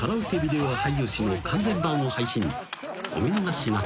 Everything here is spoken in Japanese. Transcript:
お見逃しなく］